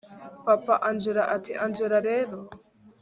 papa angella ati angella rero